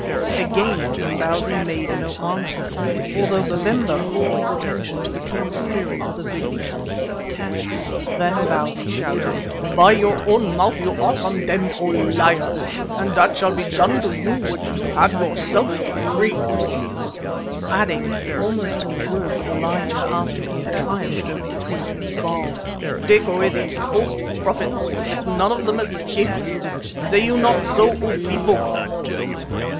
Again Imbozwi made no answer, although Babemba called his attention to the king's query with a vigorous kick. Then Bausi shouted: "By your own mouth are you condemned, O liar, and that shall be done to you which you have yourself decreed," adding almost in the words of Elijah after he had triumphed over the priests of Baal, "Take away these false prophets. Let none of them escape. Say you not so, O people?"